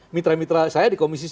mitra mitra saya di komisi satu